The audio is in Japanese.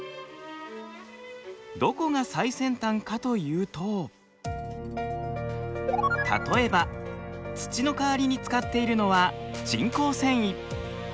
どこが最先端かというと例えば土の代わりに使っているのは人工繊維。